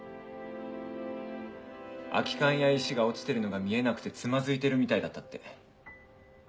空き缶や石が落ちてるのが見えなくてつまずいてるみたいだったって。